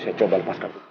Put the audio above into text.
saya coba lepaskan dulu